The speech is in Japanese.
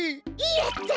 やった！